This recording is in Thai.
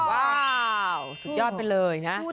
ว้าวสุดยอดไปเลยนะ